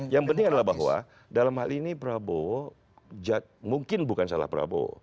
yang penting adalah bahwa dalam hal ini prabowo mungkin bukan salah prabowo